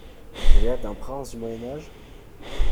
J'ai l'air d'un prince du moyen âge ?